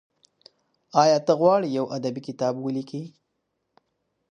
ایا ته غواړې یو ادبي کتاب ولیکې؟